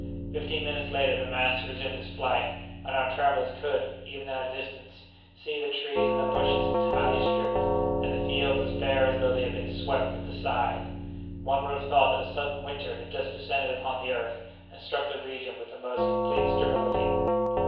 Fifteen minutes later, the mass resumed its flight, and our travellers could, even at a distance, see the trees and the bushes entirely stripped, and the fields as bare as though they had been swept with the scythe. One would have thought that a sudden winter had just descended upon the earth and struck the region with the most complete sterility.